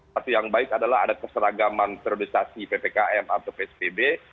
satu yang baik adalah ada keseragaman periodisasi ppkm atau psbb